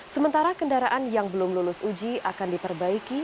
sementara kendaraan yang belum lulus uji akan diperbaiki